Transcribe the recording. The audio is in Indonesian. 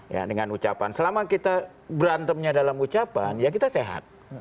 ya dengan ucapan selama kita berantemnya dalam ucapan ya kita sehat